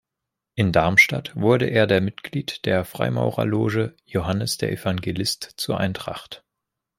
In Darmstadt wurde er der Mitglied der Freimaurerloge „Johannes der Evangelist zur Eintracht“.